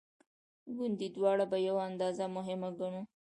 ګوندې دواړه په یوه اندازه مهمه ګڼو.